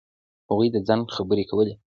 هغوی د ځنډ خبرې کولې.